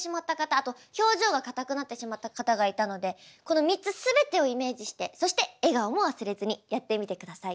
あと表情が硬くなってしまった方がいたのでこの３つすべてをイメージしてそして笑顔も忘れずにやってみてください。